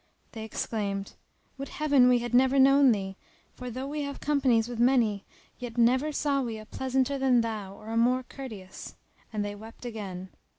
They exclaimed, "Would Heaven we had never known thee; for, though we have companied with many, yet never saw we a pleasanter than thou or a more courteous." And they wept again.